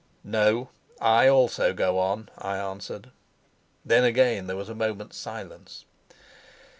"No, I also go on," I answered. Then again there was a moment's silence.